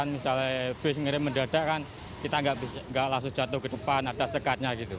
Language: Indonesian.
misalnya bus mengeram mendadak kita tidak langsung jatuh ke depan ada sekatnya